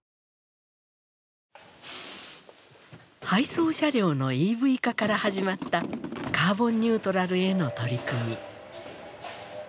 配送車両のＥＶ化から始まったカーボンニュートラルへの取り組み。